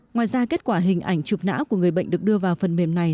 ngoài ra kết quả hình ảnh chụp não của người bệnh được đưa vào phần mềm này